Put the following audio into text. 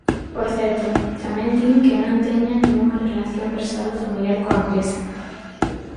Por certo, tamén din que non teña ningunha relación persoal ou familiar coa empresa.